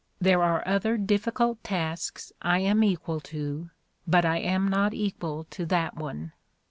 There are other difficult tasks I am equal to, but I am not equal to that one."